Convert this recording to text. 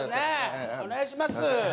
お願いします